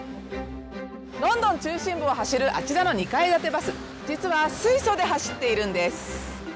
ロンドン中心部を走るあちらの２階建てバス、実は水素で走っているんです。